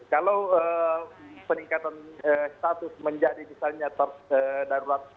kalau peningkatan status menjadi misalnya terdarurat